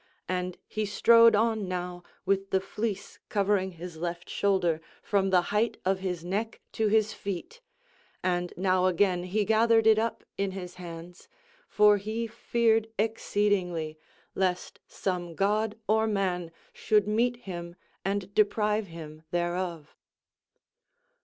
And he strode on now with the fleece covering his left shoulder from the height of his neck to his feet, and now again he gathered it up in his hands; for he feared exceedingly, lest some god or man should meet him and deprive him thereof.